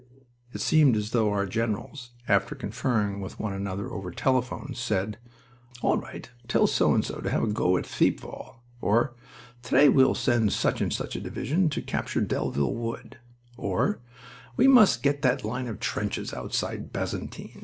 It seemed as though our generals, after conferring with one another over telephones, said, "All right, tell So and so to have a go at Thiepval," or, "To day we will send such and such a division to capture Delville Wood," or, "We must get that line of trenches outside Bazentin."